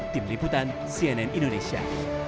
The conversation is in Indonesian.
tim liputan cnn indonesia